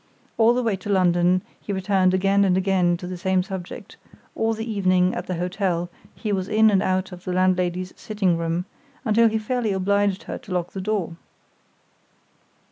All the way to London, he returned again and again to the same subject; all the evening, at the hotel, he was in and out of the landlady's sitting room, until he fairly obliged her to lock the door.